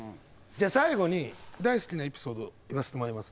最後に大好きなエピソードを言わせてもらいます。